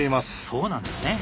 そうなんですね。